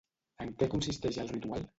En què consisteix el ritual?